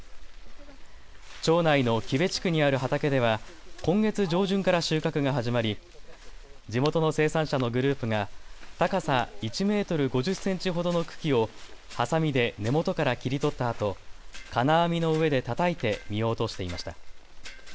町内の木部地区にある畑では今月上旬から収穫が始まり地元の生産者のグループが高さ１メートル５０センチほどの茎をはさみで根元から切り取ったあと金網の上でたたいて実を落としていました。